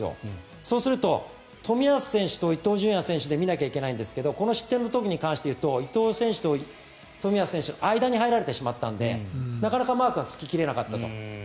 そうすると冨安選手と伊東純也選手で見なくちゃいけないんですがこの失点の時に関して言うと伊東選手と冨安選手の間に入られてしまったのでなかなかマークが付き切れなかったと。